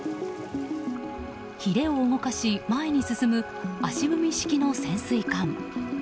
ひれを動かし、前に進む足踏み式の潜水艦。